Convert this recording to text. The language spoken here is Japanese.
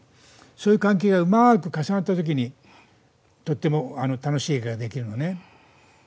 そういう関係がうまく重なった時にとっても楽しい映画ができるのね。